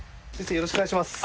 よろしくお願いします